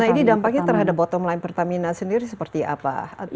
nah ini dampaknya terhadap bottom line pertamina sendiri seperti apa